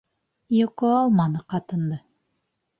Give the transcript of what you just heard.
Йоҡо алманы ҡатынды.